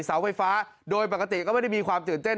เสาไฟฟ้าโดยปกติก็ไม่ได้มีความตื่นเต้น